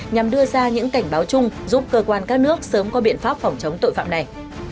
nhằm đưa ra những cảnh báo chung giúp cơ quan các nước sớm có biện pháp phòng chống tội phạm này